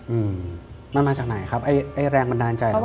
อืมมาจากไหนครับไอ้แรงมันนานใจหรอว่า